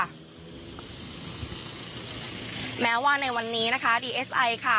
แต่อย่างใดค่ะแม้ว่าในวันนี้นะคะดีเอสไอค่ะ